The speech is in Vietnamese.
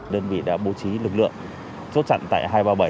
đơn vị đã bố trí lực lượng chốt chặn tại hai trăm ba mươi bảy